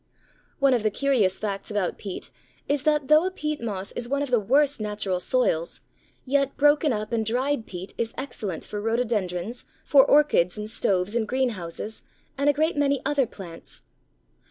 One of the curious facts about peat is that though a peat moss is one of the worst natural soils, yet broken up and dried peat is excellent for Rhododendrons, for Orchids in stoves and greenhouses, and a great many other plants.